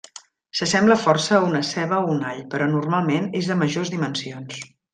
Se sembla força a una ceba o un all, però normalment és de majors dimensions.